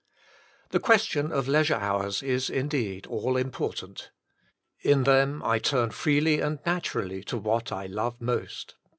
^' The question of leisure hours is indeed all important. In them I turn freely and naturally to what I love most.